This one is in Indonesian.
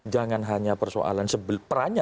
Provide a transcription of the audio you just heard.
jangan hanya persoalan